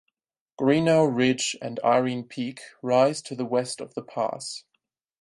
Greenough Ridge and Irene Peak rise to the west of the pass.